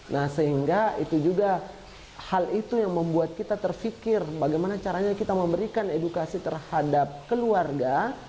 nah sehingga itu juga hal itu yang membuat kita terfikir bagaimana caranya kita memberikan edukasi terhadap keluarga